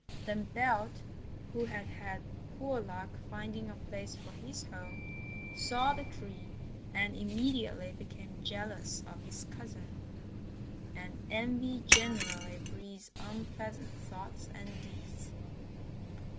Then Belt, who had had poor luck finding a place for his home, saw the tree, and immediately became jealous of his cousin. And envy generally breeds unpleasant thoughts and deeds.